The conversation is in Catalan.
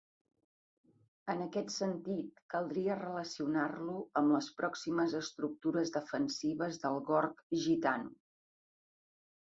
En aquest sentit, caldria relacionar-lo amb les pròximes estructures defensives del Gorg Gitano.